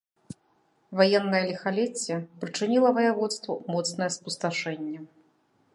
Ваеннае ліхалецце прычыніла ваяводству моцнае спусташэнне.